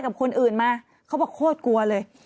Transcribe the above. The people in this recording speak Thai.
กับคนอื่นมาเขาบอกโคตรกลัวเลย